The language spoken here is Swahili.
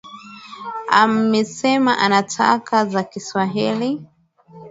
Amesema anataka za kiswahili